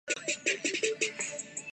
کار فراٹے بھرتی ہوئے نکل گئی